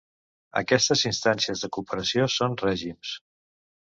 Aquestes instàncies de cooperació són règims.